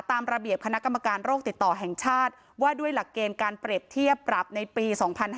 ตามระเบียบคณะกรรมการโรคติดต่อแห่งชาติว่าด้วยหลักเกณฑ์การเปรียบเทียบปรับในปี๒๕๕๙